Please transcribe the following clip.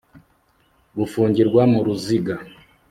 Gufungirwa muruziga